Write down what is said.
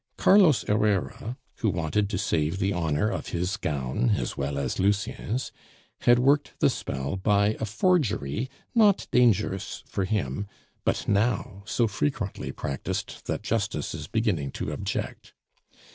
Carlos Herrera, who wanted to save the honor of his gown, as well as Lucien's, had worked the spell by a forgery not dangerous for him, but now so frequently practised that Justice is beginning to object.